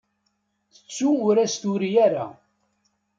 Tettu ur as-turi ara.